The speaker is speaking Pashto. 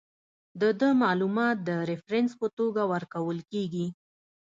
د ده معلومات د ریفرنس په توګه ورکول کیږي.